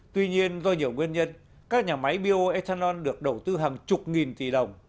tuy nhiên do nhiều nguyên nhân các nhà máy bioethanol được đầu tư hàng chục nghìn tỷ đồng